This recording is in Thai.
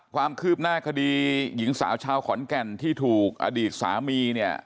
ความคืบหน้าคดีหญิงสาวชาวขอนแก่นที่ถูกอดีตสามีเนี่ย